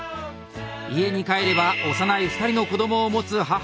家に帰れば幼い２人の子どもを持つ母。